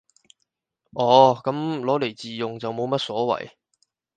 哦，噉攞嚟自用就冇乜所謂